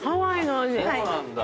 そうなんだ。